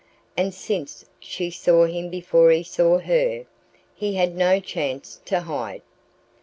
And since she saw him before he saw her, he had no chance to hide.